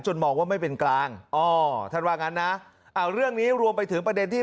มองว่าไม่เป็นกลางอ๋อท่านว่างั้นนะเอาเรื่องนี้รวมไปถึงประเด็นที่